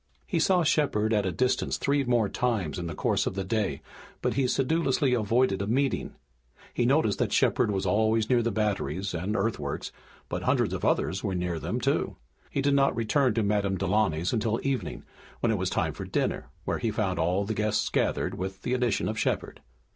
He saw Shepard at a distance three more times in the course of the day, but he sedulously avoided a meeting. He noticed that Shepard was always near the batteries and earthworks, but hundreds of others were near them, too. He did not return to Madame Delaunay's until evening, when it was time for dinner, where he found all the guests gathered, with the addition of Shepard.